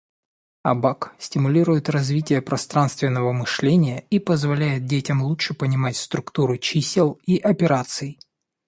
Абак стимулирует развитие пространственного мышления и позволяет детям лучше понимать структуру чисел и операций.